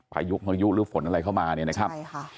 พายุหรือฝนอะไรเข้ามาเนี่ยนะครับ